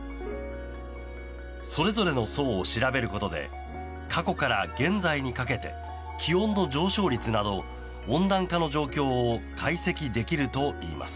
それぞれの層を調べることで過去から現在にかけて気温の上昇率など温暖化の状況を解析できるといいます。